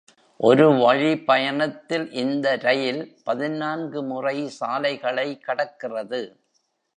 ஒரு-வழி பயணத்தில் இந்த ரயில் பதினான்கு முறை சாலைகளை கடக்கிறது.